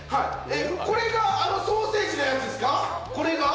これがソーセージのやつですか？